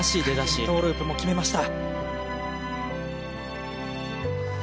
このトウループも決めました。